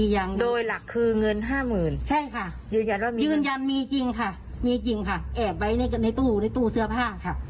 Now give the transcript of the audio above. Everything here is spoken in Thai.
ยืนยันมีจริงค่ะมีจริงค่ะแอบไปในตู้เสื้อผ้าค่ะ